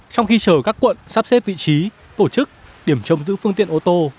trong khi chờ các quận sắp xếp vị trí tổ chức điểm trông giữ phương tiện ô tô